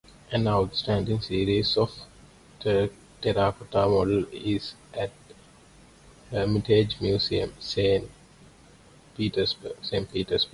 An outstanding series of terracotta models is at the Hermitage Museum, Saint Petersburg.